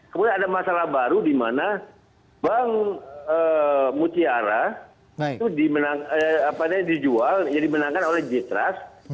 kemudian ada masalah baru di mana bank mutiara itu dijual jadi menangkan oleh jitras